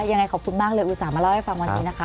ยังไงขอบคุณมากเลยอุตส่าหมาเล่าให้ฟังวันนี้นะคะ